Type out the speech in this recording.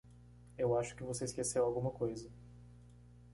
Eu acho que você esqueceu alguma coisa.